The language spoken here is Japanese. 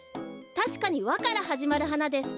たしかに「ワ」からはじまるはなです。